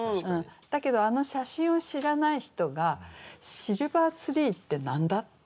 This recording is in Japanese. だけどあの写真を知らない人が「シルバーツリー」って何だ？ってことになりませんか。